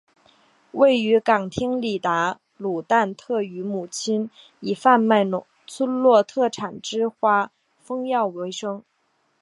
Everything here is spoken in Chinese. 位于港町里达鲁旦特与母亲以贩卖村落特产之花封药为生。